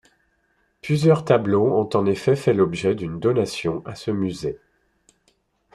Plusieurs tableaux ont en effet fait l'objet d'une donation à ce musée.